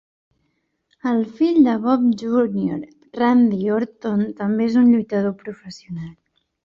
El fill de Bob Jr., Randy Orton, també és un lluitador professional.